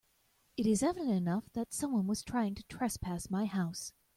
It is evident enough that someone was trying to trespass my house.